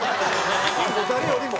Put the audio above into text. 誰よりも？